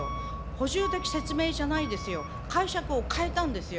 補充的説明じゃないですよ、解釈を変えたんですよ。